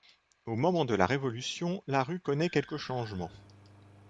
Au moment de la Révolution, la rue connaît quelques changements.